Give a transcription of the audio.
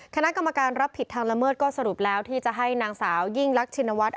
คณะกรรมการรับผิดทางละเมิดก็สรุปแล้วที่จะให้นางสาวยิ่งรักชินวัฒน์